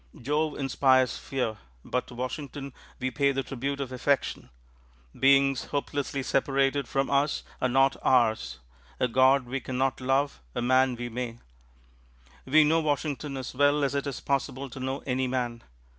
Jove inspires fear, but to Washington we pay the tribute of affection. Beings hopelessly separated from us are not ours: a god we can not love, a man we may. We know Washington as well as it is possible to know any man.